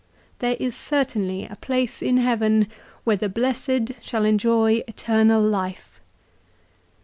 " There is certainly a place in heaven where the blessed shall enjoy eternal life."